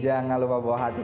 jangan lupa bawa hati